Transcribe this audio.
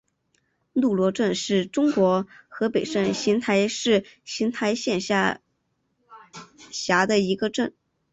路罗镇是中国河北省邢台市邢台县下辖的一个镇。